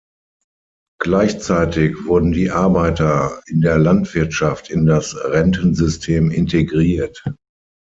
Gleichzeitig wurden die Arbeiter in der Landwirtschaft in das Rentensystem integriert.